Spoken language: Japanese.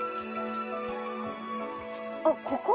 あっここ？